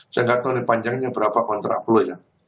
saya nggak tahu nih panjangnya berapa kontraplo ya